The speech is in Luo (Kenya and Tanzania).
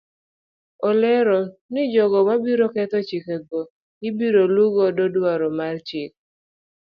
Olero ni jogo mabiro ketho chike go ibiro luu godo dwaro mar chik.